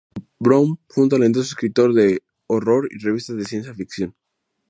Brown fue un talentoso escritor de horror y revistas de ciencia ficción.